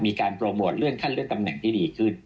มีการโปรโมทเลื่อนขั้นเลื่อนตำแหน่งที่ดีขึ้น